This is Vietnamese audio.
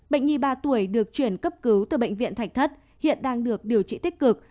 bệnh nhi ba tuổi được chuyển cấp cứu từ bệnh viện thạch thất hiện đang được điều trị tích cực